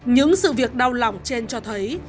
những sự việc đau lòng trên cho thấy